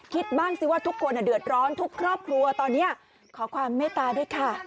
คิดบ้างสิว่าทุกคนเดือดร้อนทุกครอบครัวตอนนี้ขอความเมตตาด้วยค่ะ